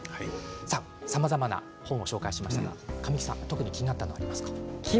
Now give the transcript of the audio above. さまざまな本を紹介しましたが特に気になるものはありますか。